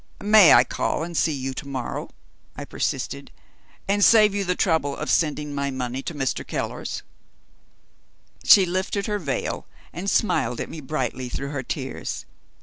"May I call and see you to morrow?" I persisted, "and save you the trouble of sending my money to Mr. Keller's?" She lifted her veil and smiled at me brightly through her tears.